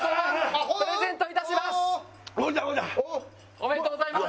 おめでとうございます。